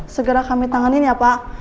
segera kami tanganin ya pak